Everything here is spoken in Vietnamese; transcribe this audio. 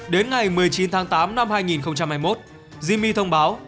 đến ngày một mươi chín tháng tám năm hai nghìn hai mươi một zmy thông báo